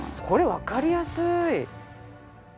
これわかりやすい！